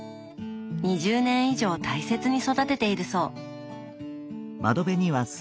２０年以上大切に育てているそう。